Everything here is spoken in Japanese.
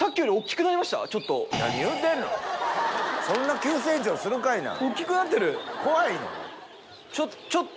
そんな急成長するかいな。